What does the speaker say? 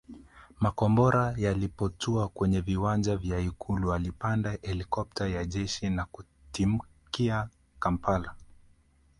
Makombora yalipotua kwenye viwanja vya Ikulu alipanda helikopta ya jeshi na kutimkia Kampala